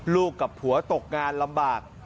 กับผัวตกงานลำบาก